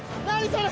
それ。